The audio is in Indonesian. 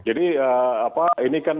jadi apa ini kan